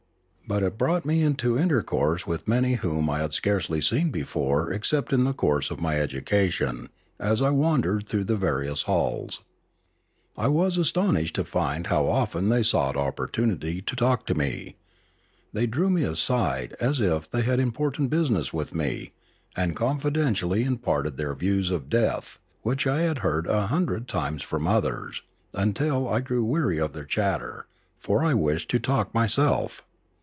But it brought me into intercourse with many whom I had scarcely seen before except in the course of my educa tion as I wandered through the various halls. I was astonished to find how often they sought opportunity to talk to me. They drew me aside as if they had im portant business with me, and confidentially imparted their views of death which I had heard a hundred times from others, until I grew weary of their chatter, for I wished to talk myself.